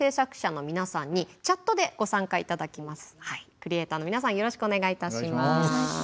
クリエイターの皆さんよろしくお願いいたします。